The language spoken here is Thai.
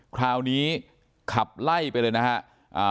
คราวนี้ขับไล่ไปเลยนะฮะ